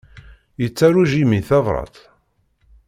Yettaru Jimmy tabrat?